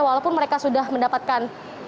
walaupun mereka sudah mendapatkan